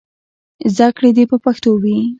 زدهکړې دې په پښتو وي.